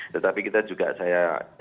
tetapi kita juga saya